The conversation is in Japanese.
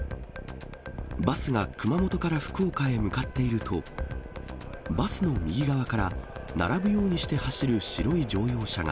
バスが熊本から福岡へ向かっていると、バスの右側から並ぶようにして走る白い乗用車が。